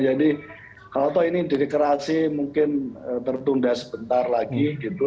jadi kalau ini dideklarasi mungkin tertunda sebentar lagi